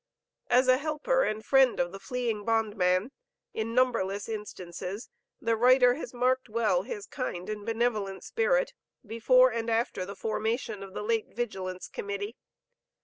As a helper and friend of the fleeing bondman, in numberless instances the writer has marked well his kind and benevolent spirit, before and after the formation of the late Vigilance Committee.